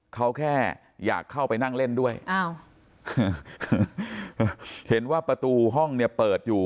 เขาแค่อยากเข้าไปนั่งเล่นด้วยอ้าวเห็นว่าประตูห้องเนี่ยเปิดอยู่